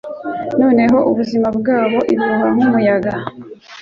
Noneho ubuzima bwabo ibuhuha nk’umuyaga